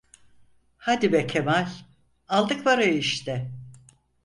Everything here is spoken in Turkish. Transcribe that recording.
Hadi be Kemal, aldık parayı işte…